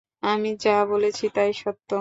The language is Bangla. আমি যা বলেছি তাই সত্য।